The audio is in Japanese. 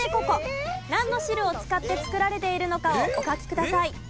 なんの汁を使って作られているのかをお書きください。